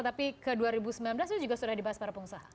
tapi ke dua ribu sembilan belas itu juga sudah dibahas para pengusaha